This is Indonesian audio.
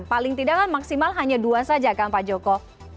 paling tidak kan maksimal hanya dua saja kan pak joko